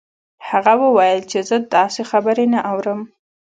هغه وویل چې زه داسې خبرې نه اورم